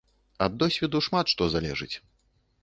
Ад досведу шмат што залежыць.